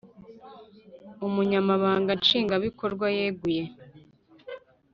Umunyamabanga Nshingwabikorwa yeguye.